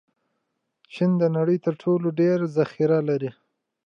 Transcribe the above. چین د نړۍ تر ټولو ډېر ذخیره لري.